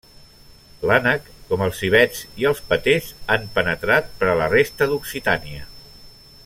L'ànec, com els civets i els patés, han penetrat per la resta d'Occitània.